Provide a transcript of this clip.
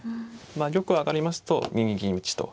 まあ玉を上がりますと２二銀打と。